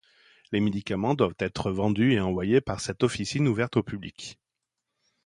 Les médicaments doivent être vendus et envoyés par cette officine ouverte au public.